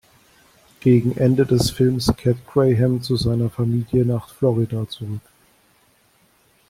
Gegen Ende des Films kehrt Graham zu seiner Familie nach Florida zurück.